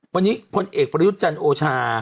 วันนี้คนเอกปรยุทธ์จันโอชา